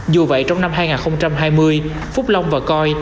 dù vậy trong năm hai nghìn hai mươi phúc long và coi